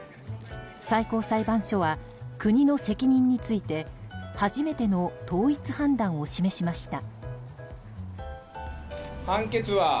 最高裁判所は、国の責任について初めての統一判断を示しました。